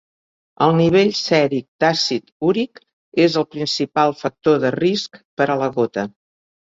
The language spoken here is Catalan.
El nivell sèric d'àcid úric és el principal factor de risc per a la gota.